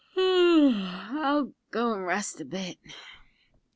"I'll go and rest a bit."